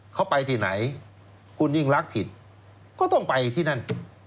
เขาไปที่ไหนคุณยิ่งรักผิดก็ต้องไปที่นั่น